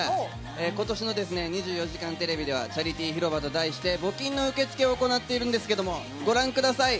ことしのですね、『２４時間テレビ』ではチャリティー広場と題して募金の受付を行っているんですけれども、ご覧ください。